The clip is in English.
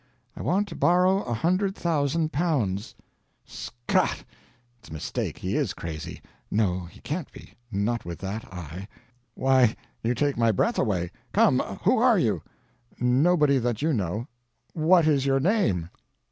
"I want to borrow a hundred thousand pounds." "Scott! (It's a mistake; he is crazy .... No he can't be not with that eye.) Why, you take my breath away. Come, who are you?" "Nobody that you know." "What is your name?"